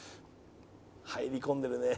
入り込んでるね。